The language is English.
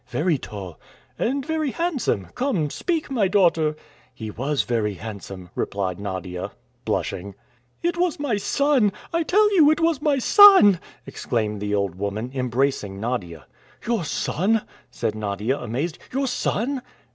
"Very tall." "And very handsome? Come, speak, my daughter." "He was very handsome," replied Nadia, blushing. "It was my son! I tell you it was my son!" exclaimed the old woman, embracing Nadia. "Your son!" said Nadia amazed, "your son!"